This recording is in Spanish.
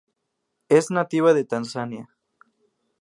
Es nativa de Tanzania.